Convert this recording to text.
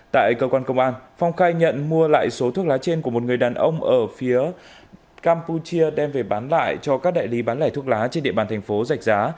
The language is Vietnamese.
tại cơ quan công an phong khai nhận mua lại số thuốc lá trên của một người đàn ông ở phía campuchia đem về bán lại cho các đại lý bán lẻ thuốc lá trên địa bàn thành phố rạch giá